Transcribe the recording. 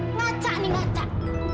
ngacak nih ngacak